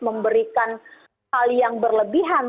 memberikan hal yang berlebihan